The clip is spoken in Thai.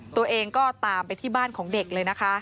ตัวเองก็ตามไปที่บ้านของเด็กเลยนะคะ